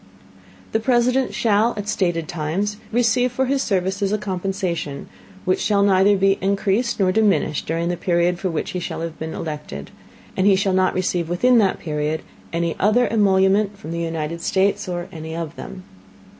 The President shall, at stated Times, receive for his Services, a Compensation, which shall neither be encreased nor diminished during the Period for which he shall have been elected, and he shall not receive within that Period any other Emolument from the United States, or any of them.